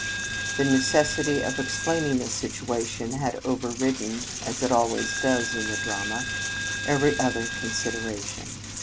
The necessity of explaining the situ ation had overridden as it always does in the drama every other con sideration.